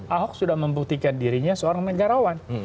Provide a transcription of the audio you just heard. ahok sudah membuktikan dirinya seorang negarawan